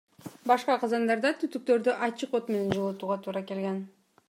Башка казандарда түтүктөрдү ачык от менен жылытууга туура келген.